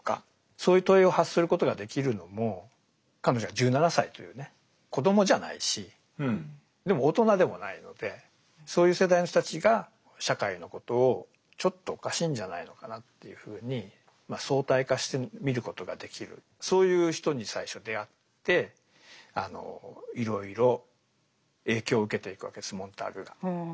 そういう問いを発することができるのも彼女が１７歳というね子どもじゃないしでも大人でもないのでそういう世代の人たちが社会のことをちょっとおかしいんじゃないのかなっていうふうにまあ相対化して見ることができるそういう人に最初出会っていろいろ影響を受けていくわけですモンターグが。